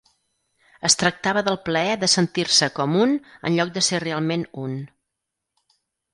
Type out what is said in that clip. Es tractava del plaer de sentir-se com un en lloc de ser realment un.